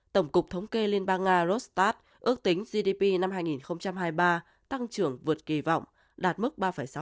tổng cục thống kê liên bang nga rostat ước tính gdp năm hai nghìn hai mươi ba tăng trưởng vượt kỳ vọng đạt mức ba sáu